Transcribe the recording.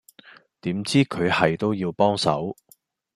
點知佢係都要幫手